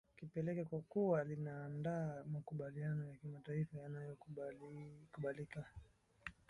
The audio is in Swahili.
kipekee kwa kuwa linaandaa makubaliano ya kimataifa yanayokubalika